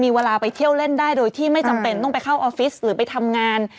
มีเวลาไปเที่ยวเล่นได้โดยที่ไม่จำเป็นต้องไปเข้าออฟฟิศหรือไปทำงาน